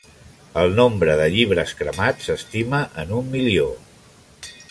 El nombre de llibres cremats s'estima en un milió.